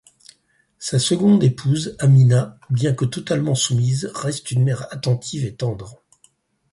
Sa seconde épouse, Amina, bien que totalement soumise reste une mère attentive et tendre.